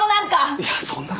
いやそんな事。